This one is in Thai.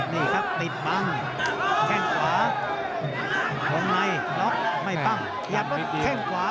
นี่ครับติดบังแค่งขวา